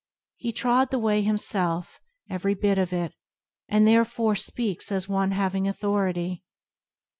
He trod the Way himself every bit of it, and he therefore speaks as one having authority.